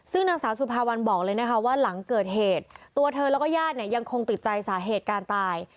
ซึ่งนางสาวสุภาวันบอกเลยนะคะว่าหลังเกิดเหตุตัวเธอแล้วก็ญาติเนี่ยยังคงติดใจสาเหตุการตาย